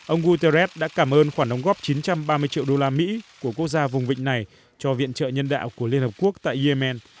ông guterres đã cảm ơn khoản đóng góp chín trăm ba mươi triệu đô la mỹ của quốc gia vùng vịnh này cho viện trợ nhân đạo của liên hợp quốc tại yemen